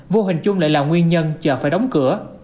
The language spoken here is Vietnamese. vô hình chung lại là nguyên nhân chờ phải đóng cửa